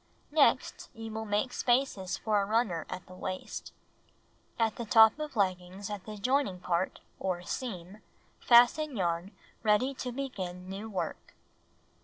Next you will make spaces for a runner at the waist. At the top of leggings at the joining point, or seam, fasten yarn ready to begin new work.